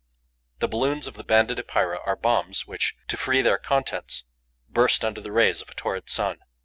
The balloons of the Banded Epeira are bombs which, to free their contents, burst under the rays of a torrid sun.